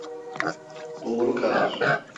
Doğru karar.